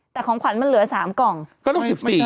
แต่ของขวัญมันเหลือสามกล่องก็ต้องสิบสี่